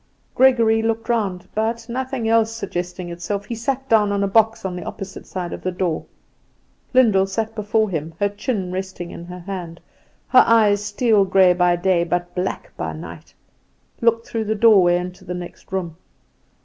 Gregory looked round, but nothing else suggesting itself, he sat down on a box on the opposite side of the door. Lyndall sat before him, her chin resting in her hand; her eyes, steel grey by day, but black by night, looked through the doorway into the next room.